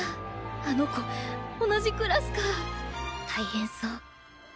あの子同じクラスか大変そ。